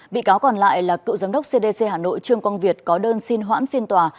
bị cáo còn lại là cựu giám đốc cdc hà nội trương quang việt có đơn xin hoãn phiên tòa